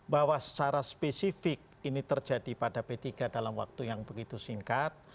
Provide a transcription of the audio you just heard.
bahwa secara spesifik ini terjadi pada p tiga dalam waktu yang begitu singkat